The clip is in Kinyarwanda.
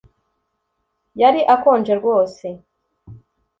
Yari akonje rwose